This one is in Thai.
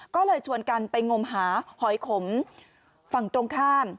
ก็เลยชวนกันไปงมหาหอยขมฝั่งตรงข้าม